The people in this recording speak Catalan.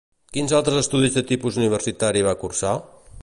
Quins altres estudis de tipus universitari va cursar?